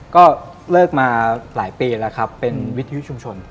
ก็เลิกมาหลายปีแล้วครับเป็นวิทยุชุมชน